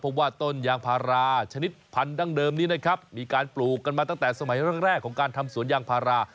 เพราะว่าต้นยางพาราชนิดพันธั้งเดิมนี้นะครับมีการปลูกกันมาตั้งแต่สมัยแรกของการทำสวนยางพารา